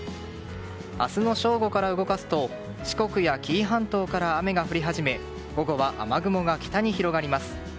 明日の正午から動かすと四国や紀伊半島から雨が降り始め午後は雨雲が北に広がります。